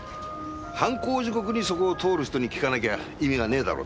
「犯行時刻にそこを通る人に聞かなきゃ意味がねえだろ」